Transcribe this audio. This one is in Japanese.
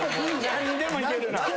何でもいけるんだ。